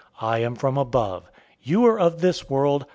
I am from above. You are of this world.